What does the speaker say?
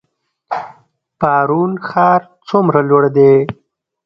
پارون ښار څومره لوړ دی؟